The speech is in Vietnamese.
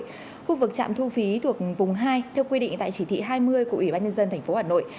khu vực trạm thu phí thuộc vùng hai theo quy định tại chỉ thị hai mươi của ủy ban nhân dân tp hà nội